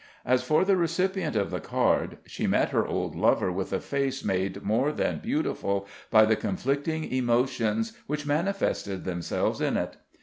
As for the recipient of the card, she met her old lover with a face made more than beautiful by the conflicting emotions which manifested themselves in it.